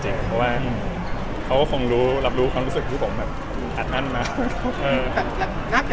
เพราะว่าเขาก็คงรู้รับรู้ความรู้สึกที่ผมแบบอัดอั้นมาก